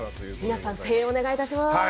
皆さん声援をお願いいたします。